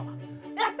やった！